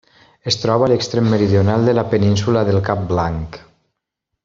Es troba a l'extrem meridional de la península del Cap Blanc.